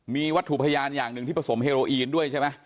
มีวัตถุพยานอย่างหนึ่งที่ผสมเฮโรอีนด้วยใช่ไหม